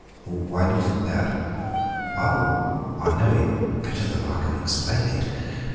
"Why do you think that?" "Oh, I know it better than I can explain it.